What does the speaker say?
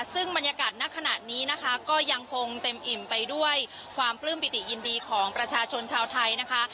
ซึ่งบรรยากาศณขณะนี้นะคะก็ยังคงเต็มอิ่มไปด้วยความปลื้มปิติยินดีของประชาชนชาวไทยนะคะ